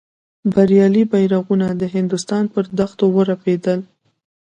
بریالي بیرغونه د هندوستان پر دښتونو ورپېدل.